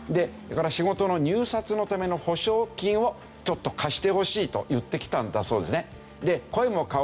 仕事の入札のための保証金をちょっと貸してほしいと言ってきたんだそうですね。